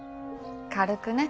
軽くね。